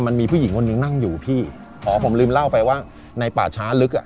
มันมีผู้หญิงคนหนึ่งนั่งอยู่พี่อ๋อผมลืมเล่าไปว่าในป่าช้าลึกอ่ะ